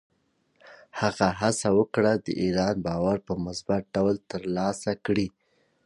هغه هڅه وکړه، د ایران باور په مثبت ډول ترلاسه کړي.